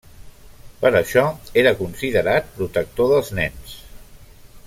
Per això era considerat protector dels nens.